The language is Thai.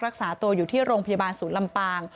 รักษาตัวอยู่ที่โรงพยาบาลศูนย์ลำปาง